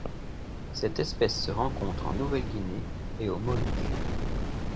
Cette espèce se rencontre en Nouvelle-Guinée et aux Moluques.